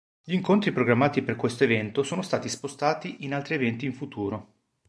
Gli incontri programmati per questo evento sono stati spostati in altri eventi in futuro.